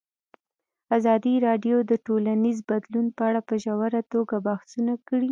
ازادي راډیو د ټولنیز بدلون په اړه په ژوره توګه بحثونه کړي.